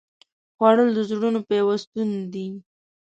خوړل د زړونو پیوستون دی